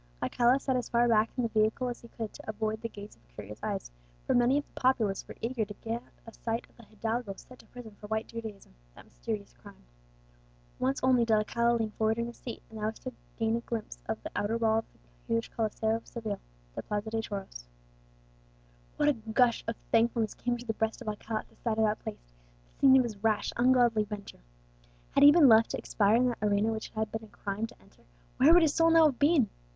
Alcala sat as far back in the vehicle as he could, to avoid the gaze of curious eyes; for many of the populace were eager to get a sight of a hidalgo sent to prison for White Judaism, that mysterious crime. Once only did Alcala lean forward in his seat, and that was to catch a glimpse of the outer wall of the huge Coliseo of Seville, the Plaza de Toros. What a gush of thankfulness came into the breast of Alcala at the sight of that place, the scene of his rash, ungodly venture! Had he been left to expire in that arena which it had been a crime to enter, where would his soul now have been!